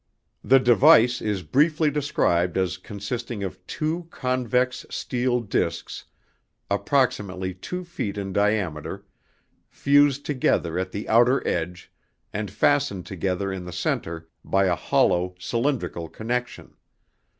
The device is briefly described as consisting of two convex steel discs approximately 2 feet in diameter, fused together at the outer edge and fastened together in the center by a hollow cylindrical connection.